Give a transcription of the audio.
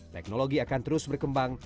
teknologi akan terus berkembang